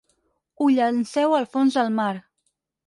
Ho llanceu al fons del mar.